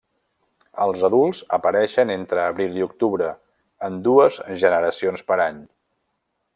Els adults apareixen entre abril i octubre, en dues generacions per any.